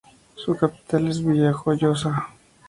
Su capital es Villajoyosa.